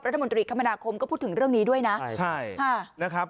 รัฐมนตรีคมนาคมก็พูดถึงเรื่องนี้ด้วยนะใช่ค่ะนะครับ